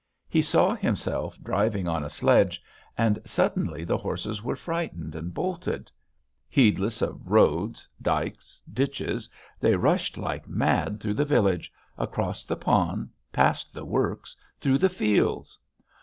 He saw himself driving on a sledge, and suddenly the horses were frightened and bolted.... Heedless of roads, dikes, ditches they rushed like mad through the village, across the pond, past the works, through the fields....